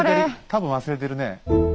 多分忘れてるねえ。